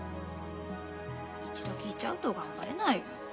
一度聞いちゃうと頑張れない。